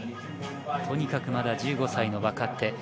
とにかくまだ１５歳の若手。